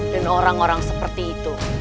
dan orang orang seperti itu